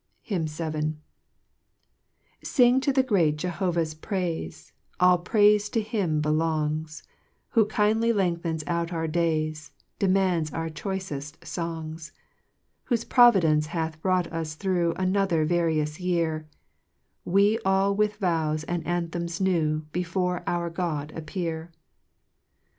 HYMN VII. 1 ^JING to the great Jehovah's praife ; k5 All praife to him belongs, "Who kindly lengthens out our days, Demands our choiceft fongs : 2 Whofe providence hath brought us thro' Another various year, We all with vows and anthems new, Before our God appear.